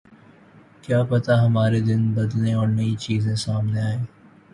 کیا پتا ہمارے دن بدلیں اور نئی چیزیں سامنے آئیں۔